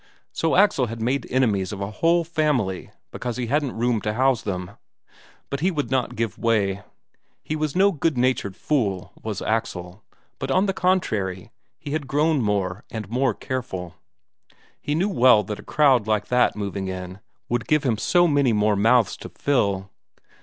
So Axel had made enemies of a whole family because he hadn't room to house them. But he would not give way. He was no good natured fool, was Axel, but on the contrary he had grown more and more careful; he knew well that a crowd like that moving in would give him so many more mouths to fill.